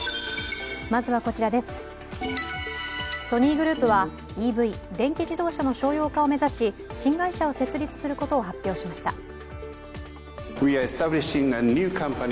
ソニーグループはＥＶ＝電気自動車の商用化を目指し新会社を設立することを発表しました。